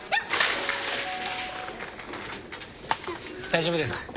大丈夫ですか？